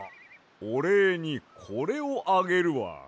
おれいにこれをあげるわ。